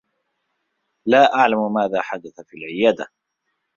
لا أعلم ما حدث في العيادة.